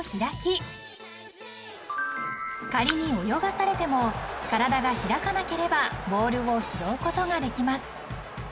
［仮に泳がされても体が開かなければボールを拾うことができます］